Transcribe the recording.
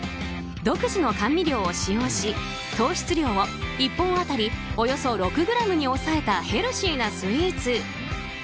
独自の甘味料を使用し、糖質量を１本当たりおよそ６ｇに抑えたヘルシーなスイーツ。